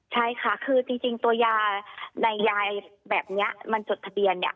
ใช่ค่ะคือจริงตัวยาในยายแบบนี้มันจดทะเบียนเนี่ย